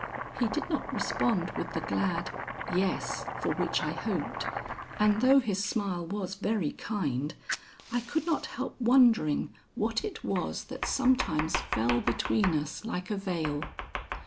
He did not respond with the glad 'Yes' for which I hoped, and though his smile was very kind, I could not help wondering what it was that sometimes fell between us like a veil."